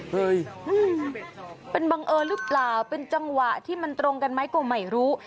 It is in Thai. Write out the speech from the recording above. เฮ้ยเป็นบังเอิญหรือเปล่าเป็นจังหวะที่มันตรงกันไหมก็ไม่รู้